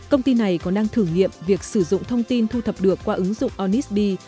công ty này còn đang thử nghiệm việc sử dụng thông tin thu thập được qua ứng dụng ornisd